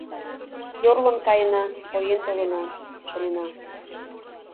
Йорлын каена, поен толына!» — шонена.